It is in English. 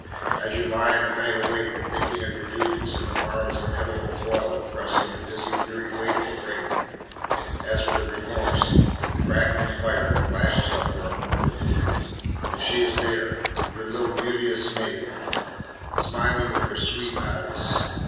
As you lie in the night awake, and thinking of your duties, and the morrow's inevitable toil oppressing the busy, weary, wakeful brain as with a remorse, the crackling fire flashes up for a moment in the grate, and she is there, your little Beauteous Maiden, smiling with her sweet eyes!